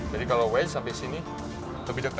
jadi kalau wedge sampai sini lebih dekat